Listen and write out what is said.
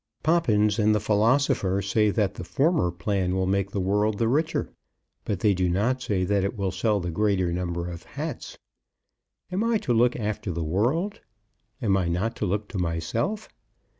Poppins and the philosopher say that the former plan will make the world the richer, but they do not say that it will sell the greater number of hats. Am I to look after the world? Am I not to look to myself?